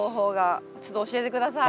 ちょっと教えて下さい。